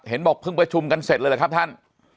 บอกเพิ่งประชุมกันเสร็จเลยเหรอครับท่าน